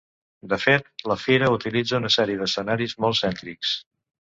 De fet, la Fira utilitza una sèrie d'escenaris molt cèntrics.